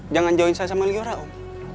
jangan join saya sama liora om